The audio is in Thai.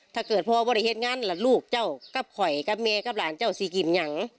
ถ้าเกิดพ่อไม่ได้เห็นงานล่ะลูกเจ้ากับคอยกับแม่กับหลานเจ้าสี่กินยัง